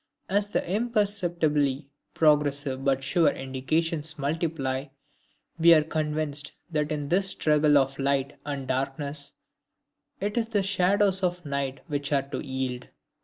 As the imperceptibly progressive but sure indications multiply, we are convinced that in this struggle of light and darkness it is the shadows of night which are to yield.